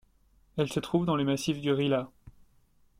Elle se trouve dans le massif du Rila.